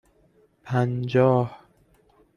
پنجاه